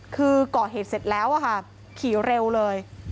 คือก่อเหตุเสร็จแล้วอะค่ะขี่เร็วเลย